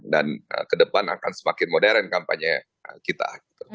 dan kedepan akan semakin modern kampanye kita